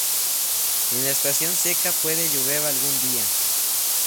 En la estación seca puede llover algún día.